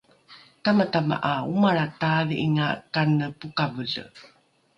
tamatama ’a omalra taadhi’inga kane pokavole